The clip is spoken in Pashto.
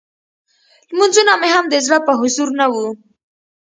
لمونځونه مې هم د زړه په حضور نه وو.